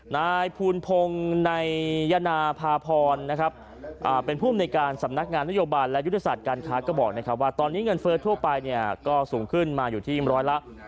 นายภูนภงในยนาพาพรเป็นผู้บริการสำนักงานนโยบันและยุทธศการค้าก็บอกว่าตอนนี้เงินเฟิร์สทั่วไปก็สูงขึ้นมาอยู่ที่๑๐๐ละ